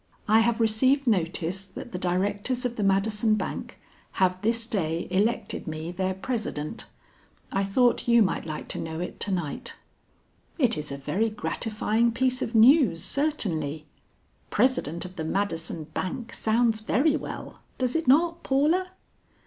"I have received notice that the directors of the Madison Bank have this day elected me their president. I thought you might like to know it to night." "It is a very gratifying piece of news certainly. President of the Madison Bank sounds very well, does it not, Paula?"